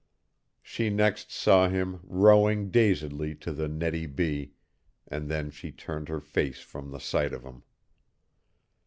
She next saw him rowing dazedly to the Nettle B., and then she turned her face from the sight of him.